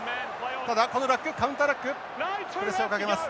ただこのラックカウンターラックプレッシャーをかけます。